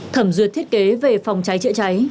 thẩm dược thiết kế về phòng cháy chữa cháy